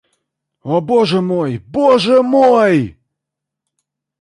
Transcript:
О, Боже мой, Боже мой!